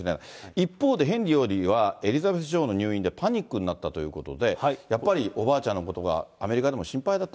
一方でヘンリー王子は、エリザベス女王の入院でパニックになったということで、やっぱり、おばあちゃんのことがアメリカでも心配だと。